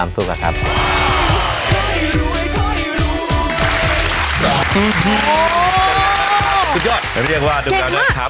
สุดยอดเรียกว่าแก็ค่ะ